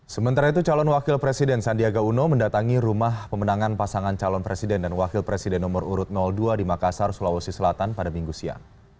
sementara itu calon wakil presiden sandiaga uno mendatangi rumah pemenangan pasangan calon presiden dan wakil presiden nomor urut dua di makassar sulawesi selatan pada minggu siang